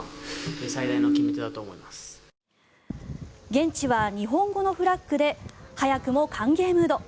現地は日本語のフラッグで早くも歓迎ムード。